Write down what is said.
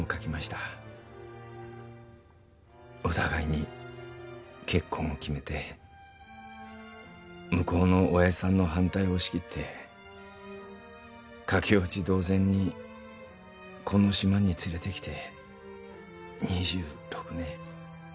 お互いに結婚を決めて向こうの親父さんの反対を押し切って駆け落ち同然にこの島に連れてきて２６年。